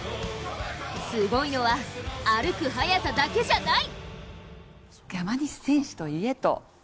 すごいのは歩く速さだけじゃない。